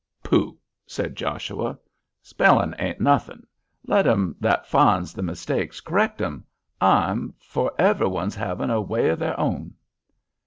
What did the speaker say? "Pooh!" said Joshua, "spellin' ain't nothin'; let them that finds the mistakes correct 'em. I'm for every one's havin' a way of their own."